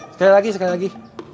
sekali lagi sekali lagi